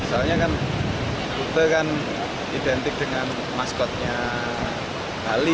soalnya kan rute kan identik dengan maskotnya bali